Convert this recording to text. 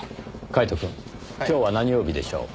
カイトくん今日は何曜日でしょう？